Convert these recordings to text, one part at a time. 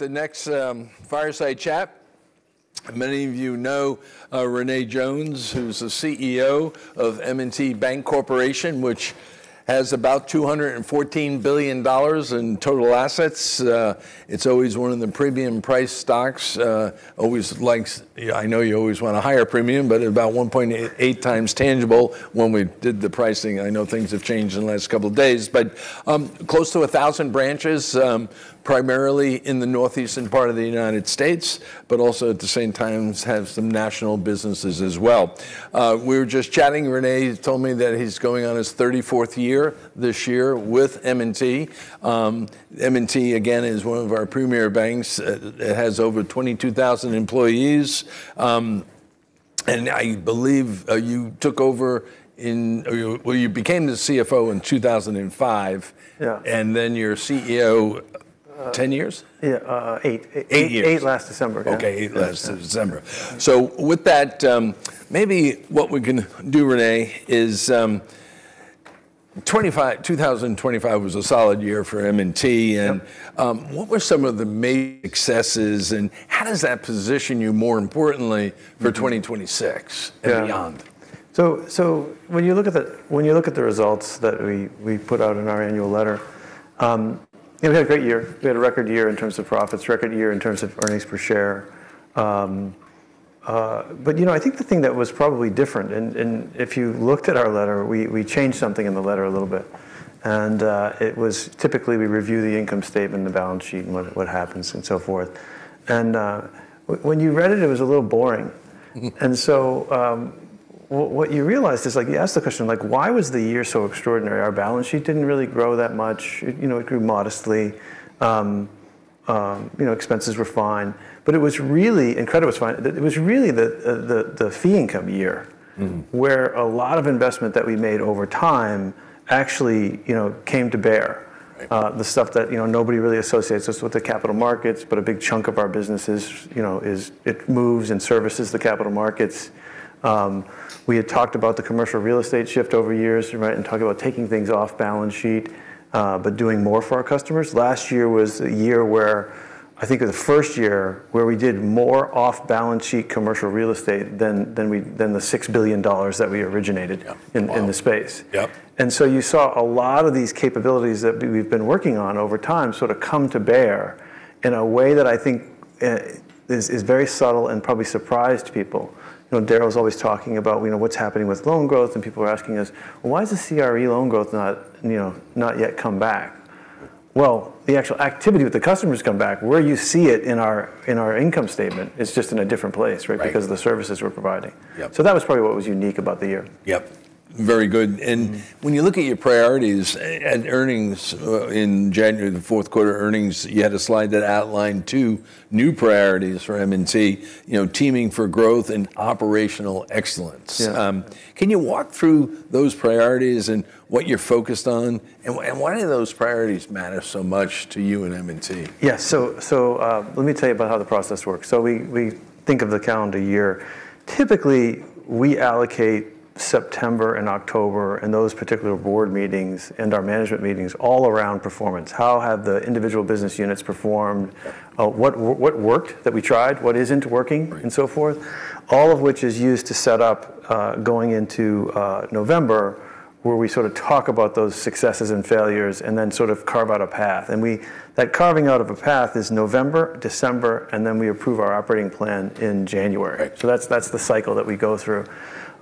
The next fireside chat, many of you know, René Jones, who's the CEO of M&T Bank Corporation, which has about $214 billion in total assets. It's always one of the premium price stocks. I know you always want a higher premium, but about 1.8x tangible when we did the pricing. I know things have changed in the last couple of days. Close to 1,000 branches, primarily in the northeastern part of the United States, but also at the same time has some national businesses as well. We were just chatting. René told me that he's going on his 34th year this year with M&T. M&T, again, is one of our premier banks. It has over 22,000 employees. I believe you took over in... Well, you became the CFO in 2005. Yeah. You're CEO, 10 years? Yeah, 8. Eight years. 8 last December, yeah. Okay, 8 last December. With that, maybe what we can do, René, is 2025 was a solid year for M&T and Yep. What were some of the main successes, and how does that position you more importantly for 2026 and beyond? When you look at the results that we put out in our annual letter, we had a great year. We had a record year in terms of profits, record year in terms of earnings per share. You know, I think the thing that was probably different, if you looked at our letter, we changed something in the letter a little bit. It was typically we review the income statement, the balance sheet, and what happens and so forth. When you read it was a little boring. Mm-hmm. What you realized is like, you asked the question like, why was the year so extraordinary? Our balance sheet didn't really grow that much. You know, it grew modestly. You know, expenses were fine. It was really the fee income year. Mm-hmm. where a lot of investment that we made over time actually, you know, came to bear. Right. The stuff that, you know, nobody really associates us with the capital markets, but a big chunk of our business is, you know, moves and services the capital markets. We had talked about the commercial real estate shift over years, right? Talked about taking things off balance sheet, but doing more for our customers. Last year was a year where I think it was the first year where we did more off-balance sheet commercial real estate than the $6 billion that we originated. Yeah. Wow. in the space. Yep. You saw a lot of these capabilities that we've been working on over time sort of come to bear in a way that I think is very subtle and probably surprised people. You know, Daryl's always talking about, you know, what's happening with loan growth, and people are asking us, "Why is the CRE loan growth not, you know, yet come back?" Well, the actual activity with the customers come back. Where you see it in our income statement is just in a different place, right? Right. Because of the services we're providing. Yep. That was probably what was unique about the year. Yep. Very good. When you look at your priorities and earnings, in January, the fourth quarter earnings, you had a slide that outlined two new priorities for M&T, you know, teaming for growth and operational excellence. Yeah. Can you walk through those priorities and what you're focused on, and why do those priorities matter so much to you and M&T? Yeah. Let me tell you about how the process works. We think of the calendar year. Typically, we allocate September and October and those particular board meetings and our management meetings all around performance. How have the individual business units performed? What worked that we tried? What isn't working and so forth. All of which is used to set up going into November, where we sort of talk about those successes and failures and then sort of carve out a path. That carving out of a path is November, December, and then we approve our operating plan in January. Right. That's the cycle that we go through.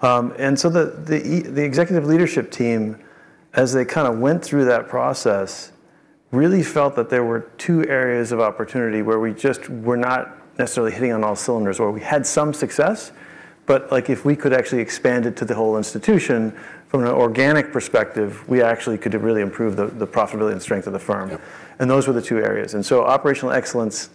The executive leadership team, as they kinda went through that process, really felt that there were two areas of opportunity where we just were not necessarily hitting on all cylinders, or we had some success, but, like, if we could actually expand it to the whole institution from an organic perspective, we actually could really improve the profitability and strength of the firm. Yep. Those were the two areas. Operational excellence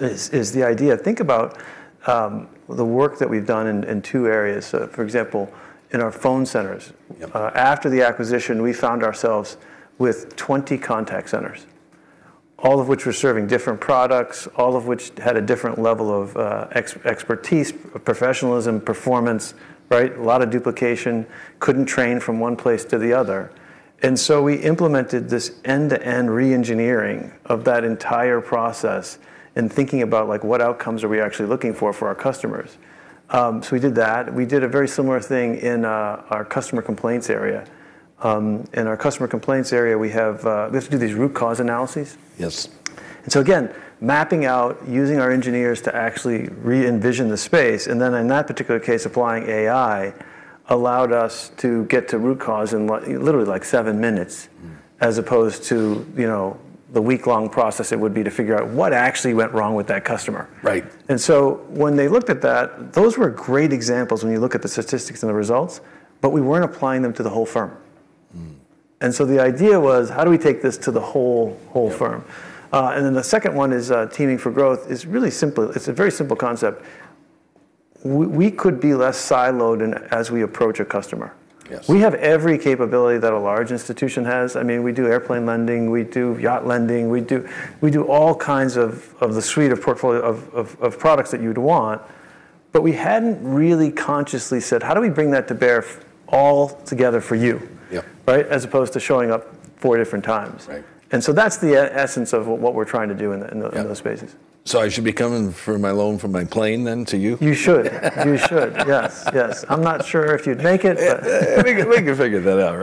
is the idea. Think about the work that we've done in two areas. For example, in our phone centers. Yep. After the acquisition, we found ourselves with 20 contact centers, all of which were serving different products, all of which had a different level of expertise, professionalism, performance, right? A lot of duplication. Couldn't train from one place to the other. We implemented this end-to-end re-engineering of that entire process and thinking about, like, what outcomes are we actually looking for our customers. We did that. We did a very similar thing in our customer complaints area. In our customer complaints area, we have to do these root cause analyses. Yes. Again, mapping out, using our engineers to actually re-envision the space, and then in that particular case, applying AI, allowed us to get to root cause in like, literally like 7 minutes, as opposed to, you know, the week-long process it would be to figure out what actually went wrong with that customer. Right. When they looked at that, those were great examples when you look at the statistics and the results, but we weren't applying them to the whole firm. Mm-hmm. The idea was, how do we take this to the whole firm? The second one is, teaming for growth. It's really simple. It's a very simple concept. We could be less siloed in as we approach a customer. Yes. We have every capability that a large institution has. I mean, we do airplane lending, we do yacht lending, we do all kinds of the suite of portfolio of products that you'd want. We hadn't really consciously said, "How do we bring that to bear all together for you? Yeah. Right? As opposed to showing up four different times. Right. That's the essence of what we're trying to do in those spaces. I should be coming for my loan from my plane then to you? You should. Yes. I'm not sure if you'd make it, but. We can figure that out,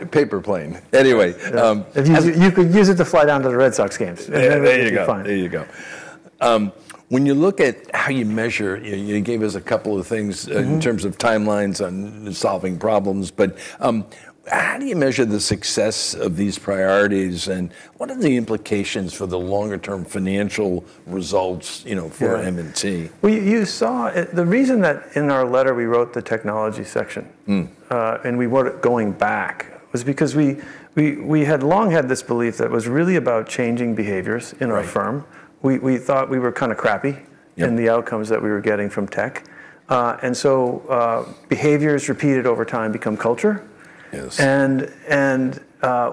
right? Paper plane. Anyway. Yeah... if you- You could use it to fly down to the Red Sox games. There you go. That would be fine. There you go. When you look at how you measure, you gave us a couple of things. Mm-hmm in terms of timelines and solving problems, but, how do you measure the success of these priorities, and what are the implications for the longer term financial results, you know? Yeah for M&T? Well, you saw the reason that in our letter we wrote the technology section. Mm We weren't going back was because we had long had this belief that it was really about changing behaviors in our firm. Right. We thought we were kind of crappy. Yeah in the outcomes that we were getting from tech. Behaviors repeated over time become culture. Yes.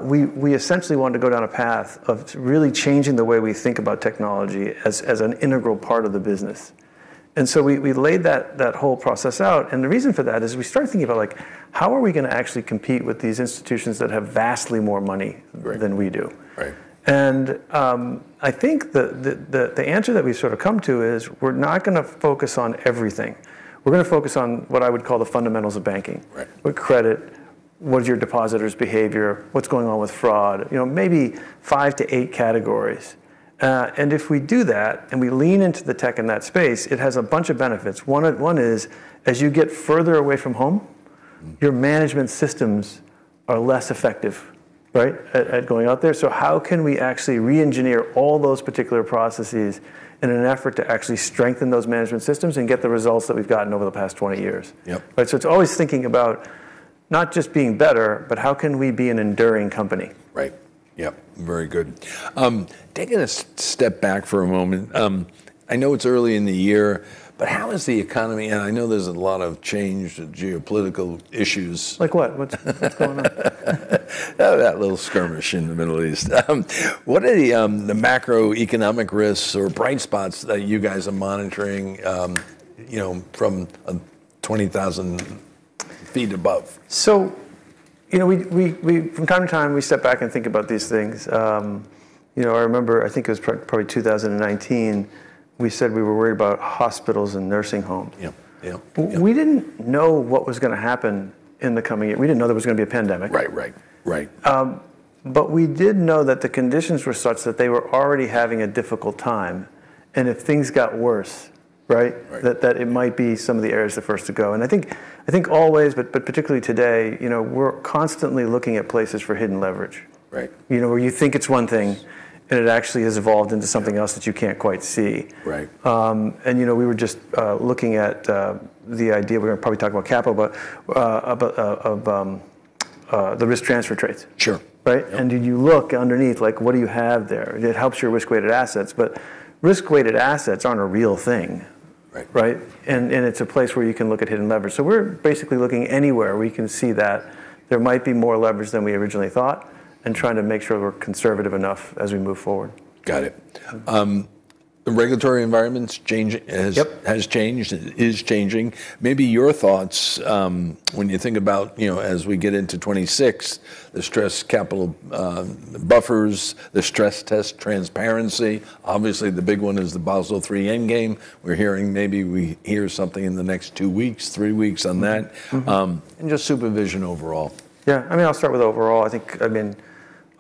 We essentially wanted to go down a path of really changing the way we think about technology as an integral part of the business. We laid that whole process out, and the reason for that is we started thinking about, like, how are we gonna actually compete with these institutions that have vastly more money. Right than we do? Right. I think the answer that we've sort of come to is we're not gonna focus on everything. We're gonna focus on what I would call the fundamentals of banking. Right. With credit, what is your depositor's behavior, what's going on with fraud, you know, maybe 5-8 categories. If we do that, and we lean into the tech in that space, it has a bunch of benefits. One is, as you get further away from home. Mm your management systems are less effective, right, at going out there. How can we actually re-engineer all those particular processes in an effort to actually strengthen those management systems and get the results that we've gotten over the past 20 years? Yep. Right? It's always thinking about not just being better, but how can we be an enduring company? Right. Yep. Very good. Taking a step back for a moment, I know it's early in the year, but how is the economy? I know there's a lot of change, the geopolitical issues. Like what? What's going on? Oh, that little skirmish in the Middle East. What are the macroeconomic risks or bright spots that you guys are monitoring, you know, from 20,000 ft above? You know, we from time to time, we step back and think about these things. You know, I remember, I think it was probably 2019, we said we were worried about hospitals and nursing homes. Yeah. Yeah. We didn't know what was gonna happen in the coming year. We didn't know there was gonna be a pandemic. Right. We did know that the conditions were such that they were already having a difficult time, and if things got worse, right? Right that it might be some of the areas the first to go. I think always, but particularly today, you know, we're constantly looking at places for hidden leverage. Right. You know, where you think it's one thing, and it actually has evolved into something else that you can't quite see. Right. You know, we were just looking at the idea. We're gonna probably talk about capital, but about the risk transfer trades. Sure. Right? Yep. You look underneath, like what do you have there? It helps your risk-weighted assets, but risk-weighted assets aren't a real thing. Right. Right? It's a place where you can look at hidden leverage. We're basically looking anywhere we can see that there might be more leverage than we originally thought, and trying to make sure we're conservative enough as we move forward. Got it. The regulatory environment's changing. Yep has changed and is changing. Maybe your thoughts, when you think about, you know, as we get into 2026, the stress capital buffers, the stress test transparency, obviously the big one is the Basel III endgame. We're hearing maybe we hear something in the next two weeks, three weeks on that. Mm-hmm. Just supervision overall. Yeah. I mean, I'll start with overall. I think, I mean,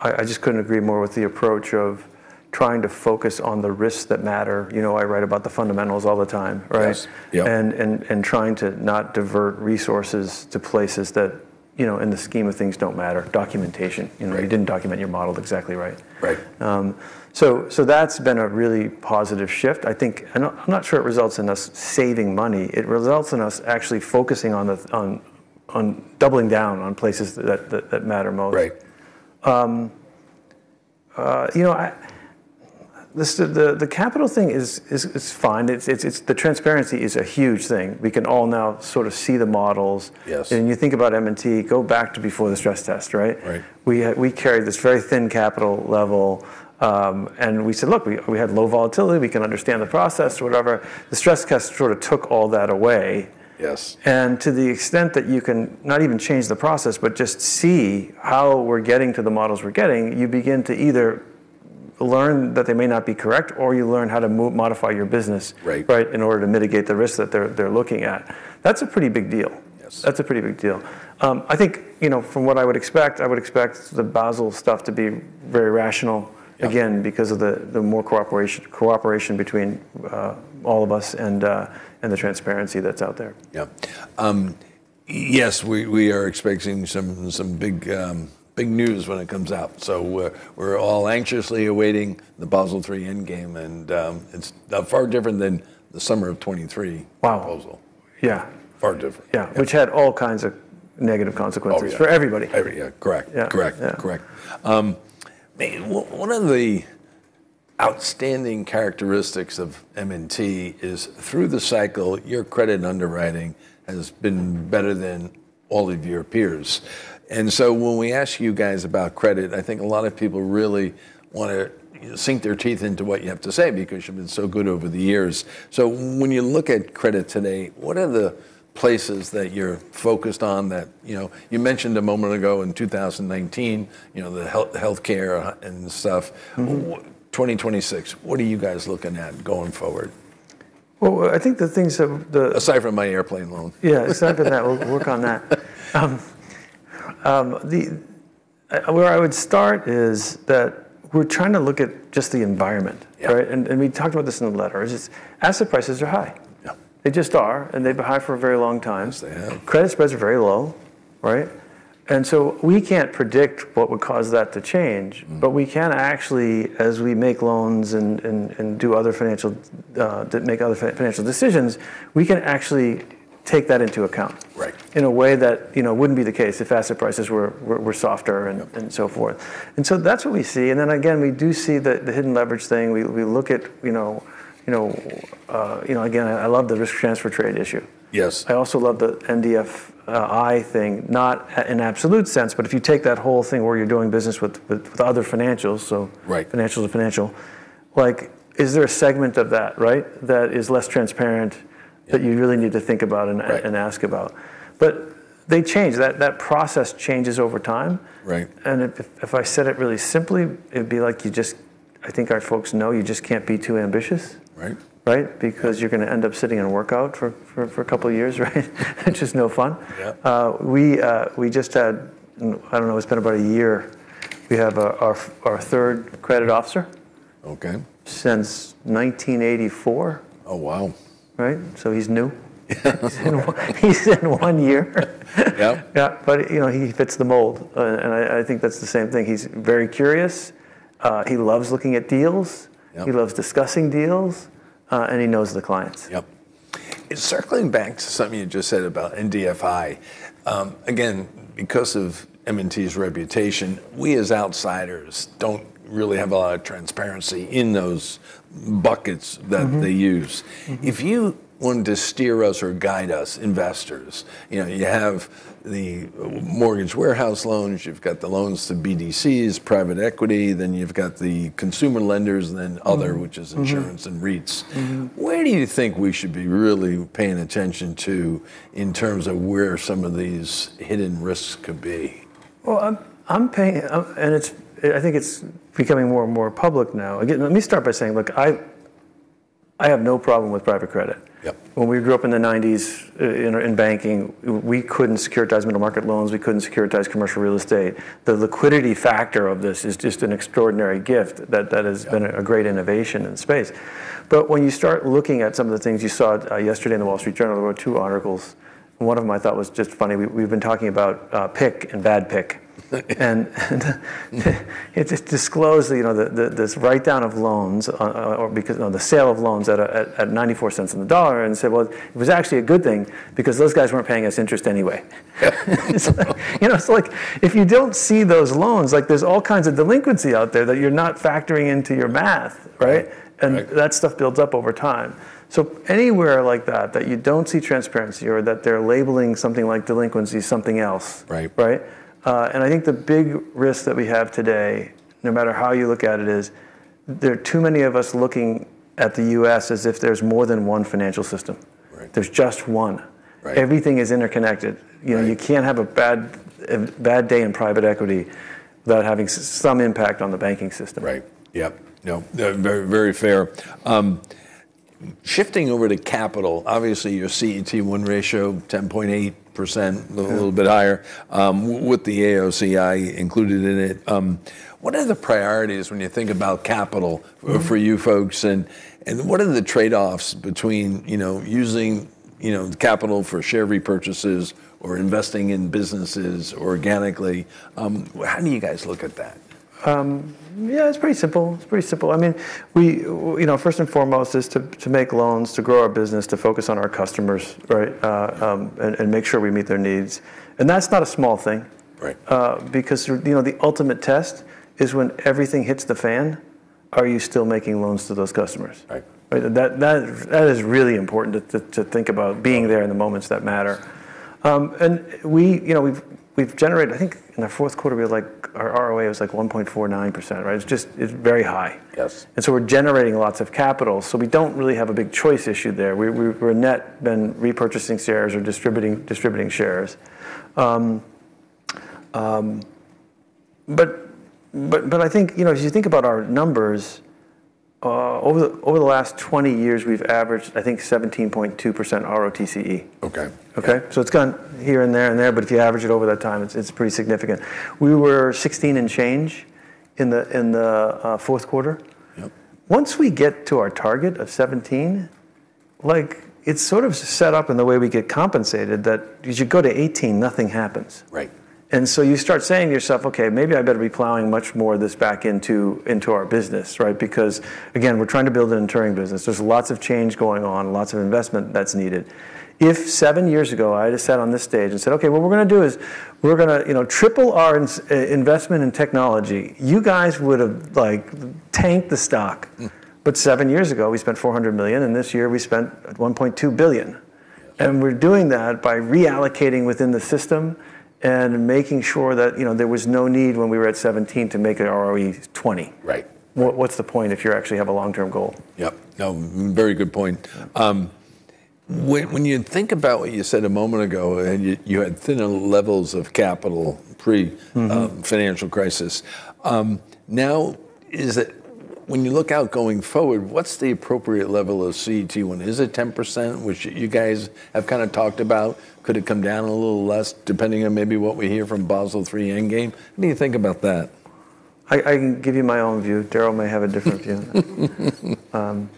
I just couldn't agree more with the approach of trying to focus on the risks that matter, you know. I write about the fundamentals all the time, right? Yes. Yeah. trying to not divert resources to places that, you know, in the scheme of things don't matter. Documentation, you know. Right You didn't document your model exactly right. Right. That's been a really positive shift. I think, I'm not sure it results in us saving money. It results in us actually focusing on doubling down on places that matter most. Right. You know, this, the capital thing is fine. It's the transparency is a huge thing. We can all now sort of see the models. Yes. You think about M&T, go back to before the stress test, right? Right. We carried this very thin capital level, and we said, "Look, we have low volatility. We can understand the process, whatever." The stress test sort of took all that away. Yes. To the extent that you can not even change the process, but just see how we're getting to the models we're getting, you begin to either learn that they may not be correct, or you learn how to modify your business. Right Right, in order to mitigate the risks that they're looking at. That's a pretty big deal. Yes. That's a pretty big deal. I think, you know, from what I would expect, I would expect the Basel stuff to be very rational. Yeah Again, because of the more cooperation between all of us and the transparency that's out there. Yeah. Yes, we are expecting some big news when it comes out. We're all anxiously awaiting the Basel III endgame, and it's far different than the summer of 2023. Wow proposal. Yeah. Far different. Yeah. Yeah. Which had all kinds of negative consequences. Oh, yeah. for everybody. Every, yeah, correct. Yeah. Correct. Yeah. Correct. One of the outstanding characteristics of M&T is through the cycle, your credit underwriting has been better than all of your peers. When we ask you guys about credit, I think a lot of people really wanna, you know, sink their teeth into what you have to say, because you've been so good over the years. When you look at credit today, what are the places that you're focused on that, you know? You mentioned a moment ago, in 2019, you know, the healthcare and stuff. Mm-hmm. 2026, what are you guys looking at going forward? Well, I think the things have the. Aside from my airplane loan. Yeah, aside from that. We'll work on that. Where I would start is that we're trying to look at just the environment. Yeah. Right? We talked about this in the letter, is just asset prices are high. Yeah. They just are, and they've been high for a very long time. Yes, they have. Credit spreads are very low, right? We can't predict what would cause that to change. Mm. We can actually, as we make loans and do other financial decisions, we can actually take that into account. Right in a way that, you know, wouldn't be the case if asset prices were softer and. Yeah That's what we see, and then again, we do see the hidden leverage thing. We look at, you know, again, I love the risk transfer trade issue. Yes. I also love the NDFI. I think not in absolute sense, but if you take that whole thing where you're doing business with other financials. Right financial to financial. Like, is there a segment of that, right, that is less transparent? Yeah that you really need to think about. Right ask about? They change. That process changes over time. Right. If I said it really simply, it'd be like you just, I think our folks know you just can't be too ambitious. Right. Right? Because you're gonna end up sitting in a workout for a couple years, right? Which is no fun. Yeah. We just had, I don't know, it's been about a year. We have our third credit officer. Okay since 1984. Oh, wow. Right? He's new. He's in one year. Yep. Yeah, you know, he fits the mold. I think that's the same thing. He's very curious, he loves looking at deals. Yep... he loves discussing deals, and he knows the clients. Yep. Circling back to something you just said about NDFI, again, because of M&T's reputation, we as outsiders don't really have a lot of transparency in those buckets. Mm-hmm that they use. Mm-hmm. If you wanted to steer us or guide us investors, you know, you have the mortgage warehouse loans, you've got the loans to BDCs, private equity, then you've got the consumer lenders, and then other- Mm-hmm... which is insurance and REITs. Mm-hmm. Where do you think we should be really paying attention to in terms of where some of these hidden risks could be? Well, I think it's becoming more and more public now. Again, let me start by saying, look, I have no problem with private credit. Yep. When we grew up in the '90s, in banking, we couldn't securitize middle market loans, we couldn't securitize commercial real estate. The liquidity factor of this is just an extraordinary gift that has. Yeah Been a great innovation in space. When you start looking at some of the things you saw yesterday in The Wall Street Journal, there were two articles. One of them I thought was just funny. We've been talking about PIK and bad PIK. It just disclosed, you know, this write-down of loans, the sale of loans at $0.94 on the dollar, and said, "Well, it was actually a good thing, because those guys weren't paying us interest anyway." You know, so like, if you don't see those loans, like there's all kinds of delinquency out there that you're not factoring into your math, right? Right. That stuff builds up over time. Anywhere like that you don't see transparency or that they're labeling something like delinquency something else. Right Right? I think the big risk that we have today, no matter how you look at it, is there are too many of us looking at the U.S. as if there's more than one financial system. Right. There's just one. Right. Everything is interconnected. Right. You know, you can't have a bad day in private equity without having some impact on the banking system. Right. Yep. No, they're very, very fair. Shifting over to capital, obviously your CET1 ratio 10.8%. Mm a little bit higher, with the AOCI included in it. What are the priorities when you think about capital? Mm For you folks, and what are the trade-offs between, you know, using, you know, the capital for share repurchases or investing in businesses organically? How do you guys look at that? Yeah, it's pretty simple. I mean, we, you know, first and foremost is to make loans, to grow our business, to focus on our customers, right? Make sure we meet their needs. That's not a small thing. Right. Because you know, the ultimate test is when everything hits the fan, are you still making loans to those customers? Right. That is really important to think about, being there in the moments that matter. We, you know, we've generated, I think in our fourth quarter we had, like, our ROA was like 1.49%, right? It's just, it's very high. Yes. We're generating lots of capital, so we don't really have a big choice issue there. We've been net repurchasing shares or distributing shares. I think, you know, as you think about our numbers, over the last 20 years we've averaged, I think, 17.2% ROTCE. Okay. Okay? It's gone here and there and there, but if you average it over that time, it's pretty significant. We were 16 and change in the fourth quarter. Yep. Once we get to our target of 17%, like, it's sort of set up in the way we get compensated that as you go to 18% nothing happens. Right. You start saying to yourself, "Okay, maybe I better be plowing much more of this back into our business," right? Because, again, we're trying to build an enduring business. There's lots of change going on, lots of investment that's needed. If seven years ago I'd have sat on this stage and said, "Okay, what we're gonna do is we're gonna, you know, triple our investment in technology," you guys would have, like, tanked the stock. Mm. Seven years ago we spent $400 million, and this year we spent $1.2 billion. We're doing that by reallocating within the system and making sure that, you know, there was no need when we were at 17% to make it ROE 20%. Right. What's the point if you actually have a long-term goal? Yeah. No, very good point. When you think about what you said a moment ago and you had thinner levels of capital pre- Mm-hmm When you look out going forward, what's the appropriate level of CET1? Is it 10%, which you guys have kind of talked about? Could it come down a little less depending on maybe what we hear from Basel III endgame? What do you think about that? I can give you my own view. Daryl may have a different view.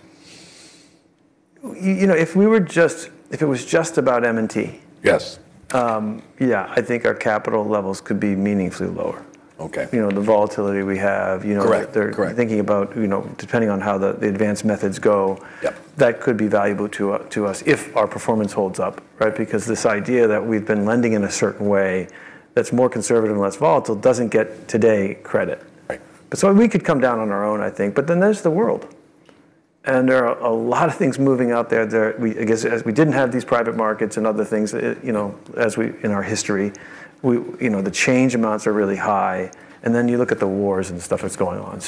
You know, if it was just about M&T. Yes Yeah, I think our capital levels could be meaningfully lower. Okay. You know, the volatility we have, you know. Correct. They're thinking about, you know, depending on how the advanced methods go. Yeah that could be valuable to us if our performance holds up, right? Because this idea that we've been lending in a certain way that's more conservative and less volatile doesn't get today credit. Right. We could come down on our own, I think, but then there's the world, and there are a lot of things moving out there that we, I guess, as we didn't have these private markets and other things, it, you know, as we, in our history, we, you know, the change amounts are really high, and then you look at the wars and stuff that's going on.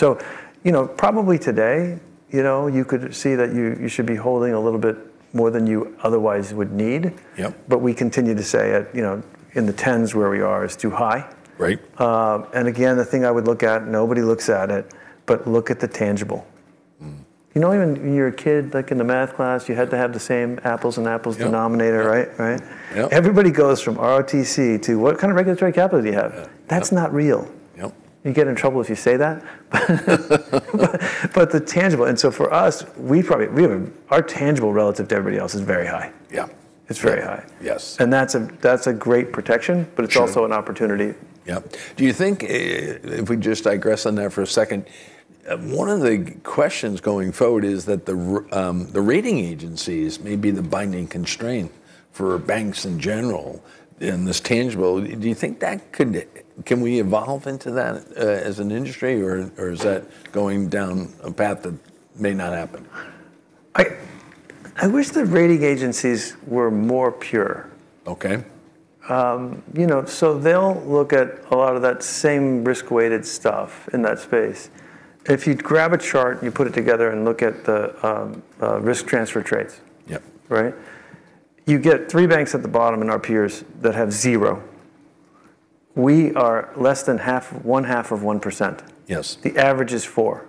You know, probably today, you know, you could see that you should be holding a little bit more than you otherwise would need. Yeah. We continue to say at, you know, in the 10s where we are is too high. Right. Again, the thing I would look at, nobody looks at it, but look at the tangible. Mm. You know, when you're a kid, like in the math class, you had to have the same apples-to-apples denominator. Yeah. Right? Right? Yeah. Everybody goes from ROTCE to what kind of regulatory capital do you have? Yeah. That's not real. Yep. You get in trouble if you say that. The tangible, and so for us, our tangible relative to everybody else is very high. Yeah. It's very high. Yes. That's a great protection. Sure It's also an opportunity. Yeah. Do you think, if we just digress on that for a second, one of the questions going forward is that the rating agencies may be the binding constraint for banks in general in this tangible. Do you think that could. Can we evolve into that as an industry or is that going down a path that may not happen? I wish the rating agencies were more pure. Okay. You know, they'll look at a lot of that same risk-weighted stuff in that space. If you'd grab a chart, you put it together and look at the risk transfer trades. Yeah Right? You get three banks at the bottom in our peers that have zero. We are less than half, one half of 1%. Yes. The average is 4%.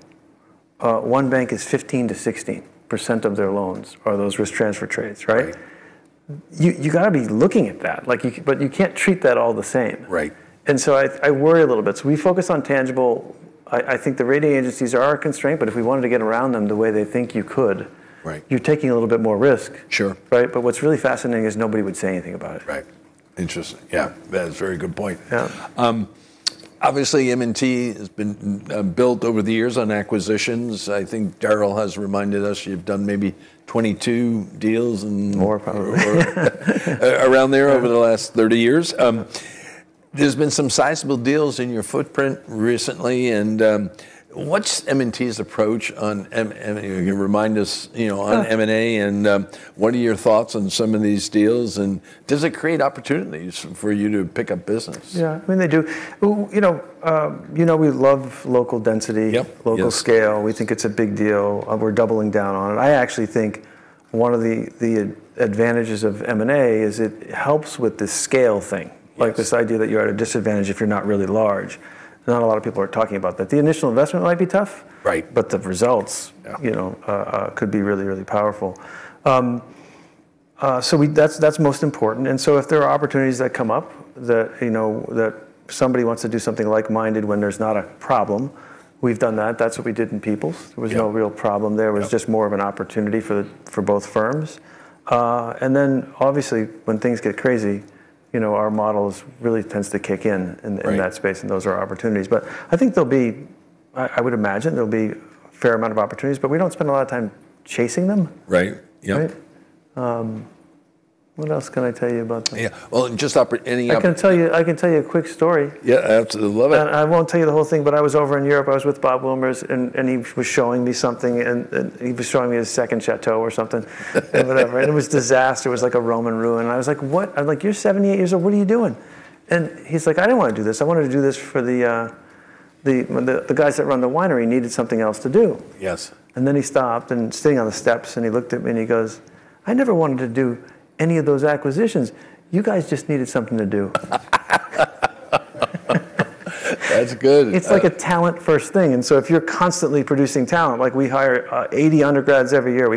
One bank is 15%-16% of their loans are those risk transfer trades, right? Right. You gotta be looking at that. Like, you can't treat that all the same. Right. I worry a little bit. We focus on tangible. I think the rating agencies are a constraint, but if we wanted to get around them the way they think you could- Right You're taking a little bit more risk. Sure. Right? What's really fascinating is nobody would say anything about it. Right. Interesting. Yeah. Yeah. That is a very good point. Yeah. Obviously M&T has been built over the years on acquisitions. I think Daryl has reminded us you've done maybe 22 deals and More probably. Around there over the last 30 years. There's been some sizable deals in your footprint recently, and what's M&T's approach on M&A. You can remind us, you know, on M&A and what are your thoughts on some of these deals, and does it create opportunities for you to pick up business? Yeah. I mean, they do. Well, you know, you know, we love local density. Yep. Yes local scale. We think it's a big deal. We're doubling down on it. I actually think one of the advantages of M&A is it helps with the scale thing. Yes. Like this idea that you're at a disadvantage if you're not really large. Not a lot of people are talking about that. The initial investment might be tough. Right The results. Yeah You know, could be really, really powerful. That's most important, and so if there are opportunities that come up that, you know, that somebody wants to do something like-minded when there's not a problem, we've done that. That's what we did in People's. Yeah. There was no real problem there. Yeah. It was just more of an opportunity for both firms. Obviously when things get crazy, you know, our models really tends to kick in that space. Right those are opportunities. I think I would imagine there'll be a fair amount of opportunities, but we don't spend a lot of time chasing them. Right. Yep. Right? What else can I tell you about. Yeah. Well, just any I can tell you a quick story. Yeah. I absolutely love it. I won't tell you the whole thing, but I was over in Europe. I was with Robert Wilmers and he was showing me something and he was showing me his second chateau or something. Or whatever, and it was a disaster. It was like a Roman ruin. I was like, "What?" I'm like, "You're 78 years old. What are you doing?" He's like, "I didn't wanna do this. I wanted to do this for the guys that run the winery needed something else to do. Yes. He stopped and sitting on the steps, and he looked at me and he goes, "I never wanted to do any of those acquisitions. You guys just needed something to do. That's good. It's like a talent first thing, and so if you're constantly producing talent, like we hire 80 tech undergrads every year.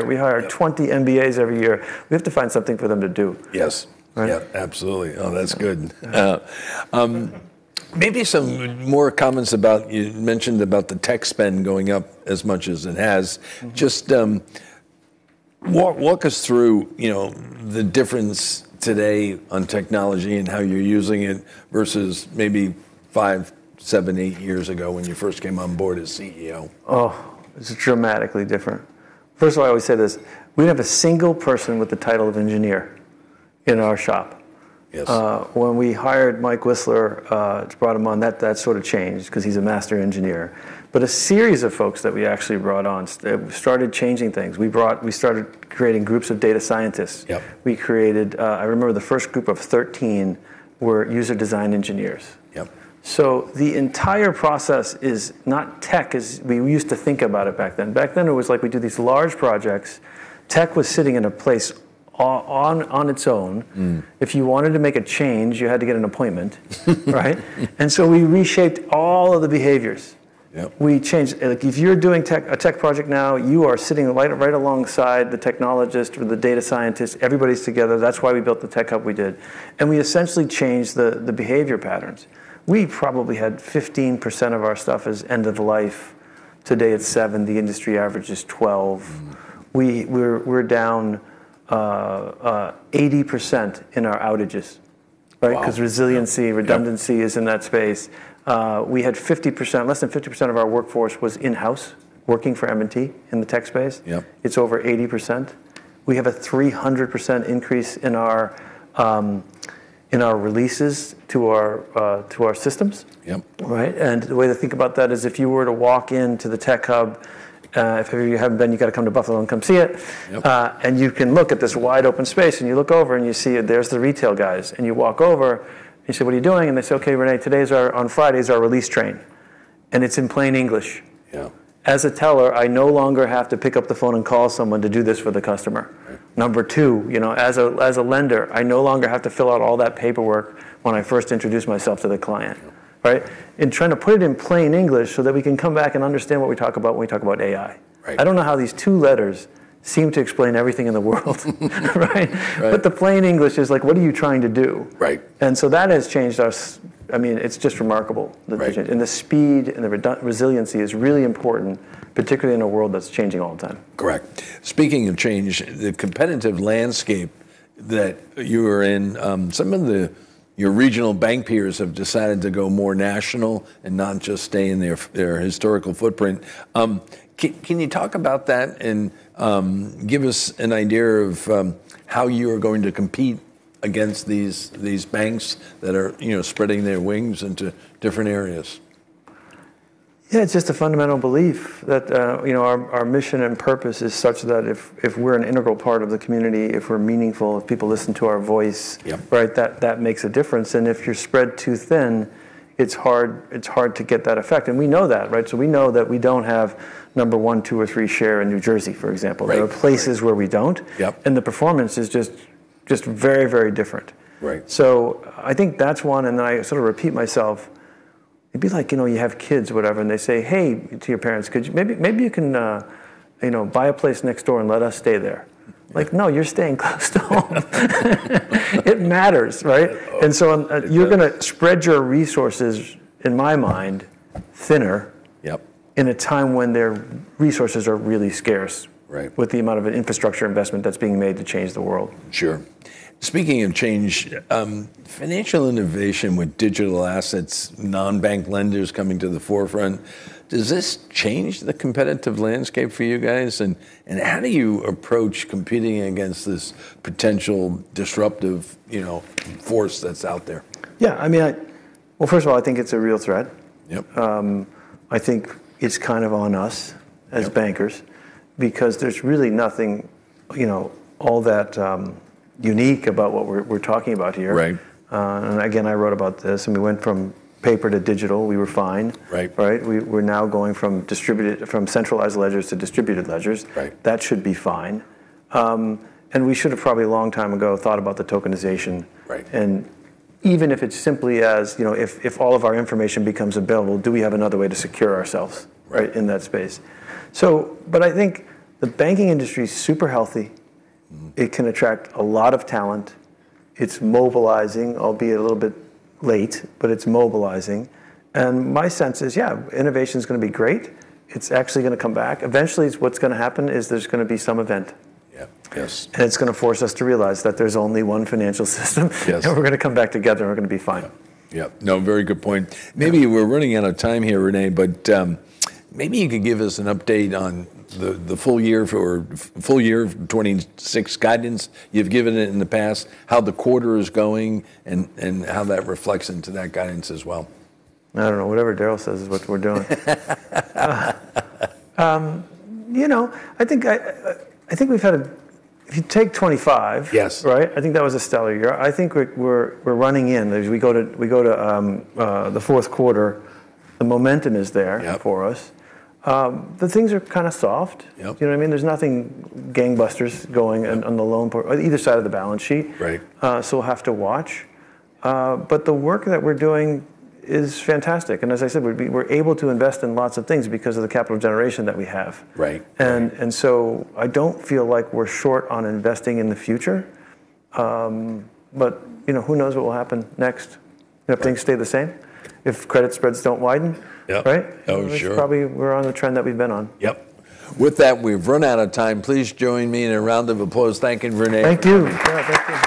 Yeah We hire 20 MBAs every year. We have to find something for them to do. Yes. Right? Yeah. Absolutely. Oh, that's good. Yeah. Maybe some more comments about you mentioned about the tech spend going up as much as it has. Mm-hmm. Just, walk us through, you know, the difference today on technology and how you're using it versus maybe five, seven, eight years ago when you first came on board as CEO. Oh, it's dramatically different. First of all, I always say this, we don't have a single person with the title of engineer in our shop. Yes. When we hired Michael Wisler to brought him on, that sort of changed, 'cause he's a master engineer. A series of folks that we actually brought on started changing things. We started creating groups of data scientists. Yep. We created, I remember the first group of 13 were user design engineers. Yep. The entire process is not tech as we used to think about it back then. Back then, it was like we do these large projects. Tech was sitting in a place on its own. Mm. If you wanted to make a change, you had to get an appointment. Right? We reshaped all of the behaviors. Yep. We changed. Like, if you're doing tech, a tech project now, you are sitting right alongside the technologist or the data scientist. Everybody's together. That's why we built the tech hub we did. We essentially changed the behavior patterns. We probably had 15% of our stuff as end of life. Today, it's 7%. The industry average is 12%. Mm. We're down 80% in our outages, right? Wow. Resiliency. Yeah... redundancy is in that space. We had 50%, less than 50% of our workforce was in-house working for M&T in the tech space. Yep. It's over 80%. We have a 300% increase in our releases to our systems. Yep. Right? The way to think about that is if you were to walk into the tech hub, if you haven't been, you gotta come to Buffalo and come see it. Yep You can look at this wide open space, and you look over and you see there's the retail guys. You walk over and you say, "What are you doing?" They say, "Okay, René, on Fridays our release train." It's in plain English. Yeah. As a teller, I no longer have to pick up the phone and call someone to do this for the customer. Right. Number two, you know, as a lender, I no longer have to fill out all that paperwork when I first introduce myself to the client. Yeah. Right? In trying to put it in plain English so that we can come back and understand what we talk about when we talk about AI. Right. I don't know how these two letters seem to explain everything in the world. Right? Right. The plain English is like, what are you trying to do? Right. That has changed us. I mean, it's just remarkable the change. Right. The speed and the resiliency is really important, particularly in a world that's changing all the time. Correct. Speaking of change, the competitive landscape that you are in, some of your regional bank peers have decided to go more national and not just stay in their historical footprint. Can you talk about that and give us an idea of how you are going to compete against these banks that are, you know, spreading their wings into different areas? Yeah, it's just a fundamental belief that, you know, our mission and purpose is such that if we're an integral part of the community, if we're meaningful, if people listen to our voice. Yeah Right, that makes a difference. If you're spread too thin, it's hard to get that effect, and we know that, right? We know that we don't have number one, two, or three share in New Jersey, for example. Right. There are places where we don't. Yep. The performance is just very different. Right. I think that's one, and then I sort of repeat myself. It'd be like, you know, you have kids, whatever, and they say, "Hey," to your parents, "maybe you can, you know, buy a place next door and let us stay there." Like, "No, you're staying close to home." It matters, right? You're gonna spread your resources, in my mind, thinner. Yep in a time when their resources are really scarce. Right With the amount of infrastructure investment that's being made to change the world. Sure. Speaking of change, financial innovation with digital assets, non-bank lenders coming to the forefront, does this change the competitive landscape for you guys? How do you approach competing against this potential disruptive, you know, force that's out there? Yeah, I mean, well, first of all, I think it's a real threat. Yep. I think it's kind of on us. Yep as bankers because there's really nothing, you know, all that unique about what we're talking about here. Right. Again, I wrote about this, and we went from paper to digital. We were fine. Right. Right? We're now going from centralized ledgers to distributed ledgers. Right. That should be fine. We should have probably a long time ago thought about the tokenization. Right. Even if it's simply as, you know, if all of our information becomes available, do we have another way to secure ourselves? Right in that space? I think the banking industry is super healthy. Mm. It can attract a lot of talent. It's mobilizing, albeit a little bit late, but it's mobilizing. My sense is, yeah, innovation's gonna be great. It's actually gonna come back. Eventually, what's gonna happen is there's gonna be some event. Yeah. Yes. It's gonna force us to realize that there's only one financial system. Yes. We're gonna come back together and we're gonna be fine. Yeah. Yeah. No, very good point. Yeah. Maybe we're running out of time here, René, but maybe you could give us an update on the full year 2026 guidance. You've given it in the past, how the quarter is going, and how that reflects into that guidance as well. I don't know. Whatever Daryl says is what we're doing. You know, if you take 2025- Yes Right? I think that was a stellar year. I think we're running in. As we go to the fourth quarter, the momentum is there. Yeah for us. Things are kinda soft. Yep. You know what I mean? There's nothing gangbusters going on the loan portfolio either side of the balance sheet. Right. We'll have to watch. The work that we're doing is fantastic. As I said, we're able to invest in lots of things because of the capital generation that we have. Right. Right. I don't feel like we're short on investing in the future. You know, who knows what will happen next. Right if things stay the same, if credit spreads don't widen. Yep. Right? Oh, sure. It's probably we're on the trend that we've been on. Yep. With that, we've run out of time. Please join me in a round of applause thanking René. Thank you. Yeah, thank you.